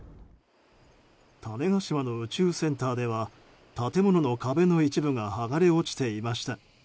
種子島の宇宙センターでは建物の壁の一部が剥がれ落ちていました。